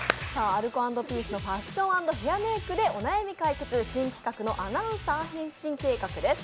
アルコ＆ピースのファッション＆ヘアメイクでお悩み解決新企画のアナウンサー変身計画です。